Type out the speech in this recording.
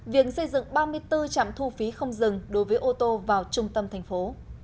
việc xây dựng ba mươi bốn trạm thu phí không dừng đối với ô tô vào trung tâm thành phố